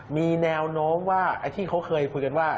มีแนวโน้มว่าไอ้ที่เขาเคยคุยกันว่า